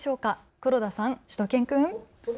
黒田さん、しゅと犬くん。